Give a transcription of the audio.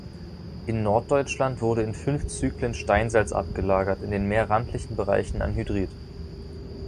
In Norddeutschland wurde in fünf Zyklen Steinsalz abgelagert, in den mehr randlichen Bereichen Anhydrit.